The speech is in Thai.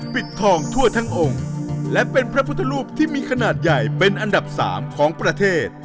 ปิดทองทั่วทั้งองค์และเป็นพระพุทธรูปที่มีขนาดใหญ่เป็นอันดับสามของประเทศ